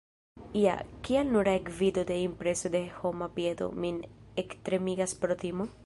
Ja, kial nura ekvido de impreso de homa piedo min ektremigas pro timo?